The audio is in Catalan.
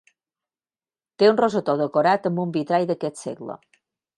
Té un rosetó decorat amb un vitrall d'aquest segle.